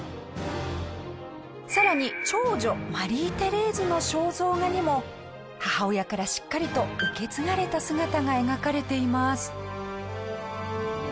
さらに長女マリー・テレーズの肖像画にも母親からしっかりと受け継がれた姿が描かれています。